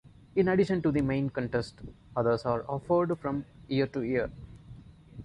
In addition to the main contest, others are offered from year to year.